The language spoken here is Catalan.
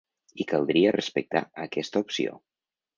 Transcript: I caldria respectar aquesta opció.